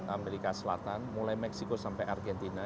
amerika selatan mulai meksiko sampai argentina